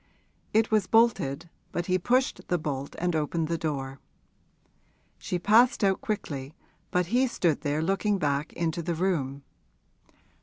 It was bolted, but he pushed the bolt and opened the door. She passed out quickly, but he stood there looking back into the room.